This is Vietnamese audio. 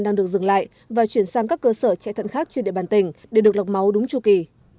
đang được dừng lại và chuyển sang các cơ sở chạy thận khác trên địa bàn tỉnh để được lọc máu đúng chu kỳ